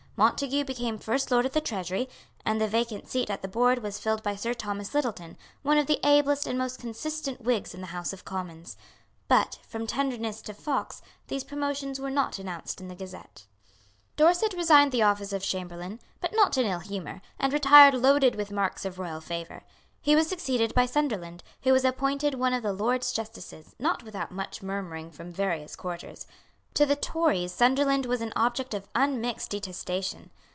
Montague became First Lord of the Treasury; and the vacant seat at the Board was filled by Sir Thomas Littleton, one of the ablest and most consistent Whigs in the House of Commons. But, from tenderness to Fox, these promotions were not announced in the Gazette. Dorset resigned the office of Chamberlain, but not in ill humour, and retired loaded with marks of royal favour. He was succeeded by Sunderland, who was also appointed one of the Lords Justices, not without much murmuring from various quarters. To the Tories Sunderland was an object of unmixed detestation.